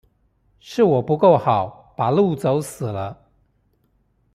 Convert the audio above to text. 是我不夠好，把路走死了